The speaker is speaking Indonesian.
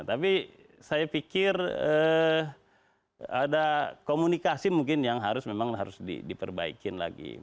tapi saya pikir ada komunikasi mungkin yang harus memang harus diperbaikin lagi